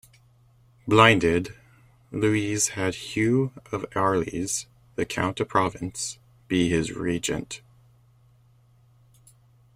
Blinded, Louis had Hugh of Arles, the Count of Provence, be his regent.